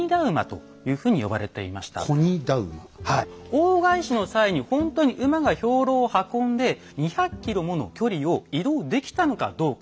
大返しの際にほんとに馬が兵糧を運んで２００ｋｍもの距離を移動できたのかどうか。